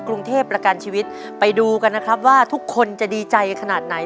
กรุงเทพประกันชีวิตไปดูกันนะครับว่าทุกคนจะดีใจขนาดไหน